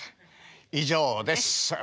以上です。